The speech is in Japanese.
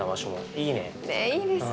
いいですね。